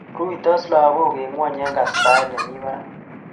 Ruitos lagok eng ngwony eng kastaet ne mi barak